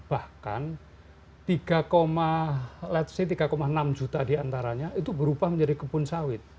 bahkan tiga enam juta diantaranya itu berubah menjadi kebun sawit